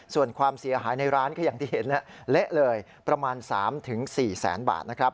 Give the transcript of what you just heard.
ส่วนความเสียหายในร้านก็อย่างที่เห็นเละเลยประมาณ๓๔แสนบาทนะครับ